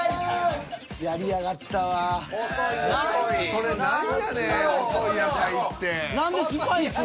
それ何やねん細い野菜って。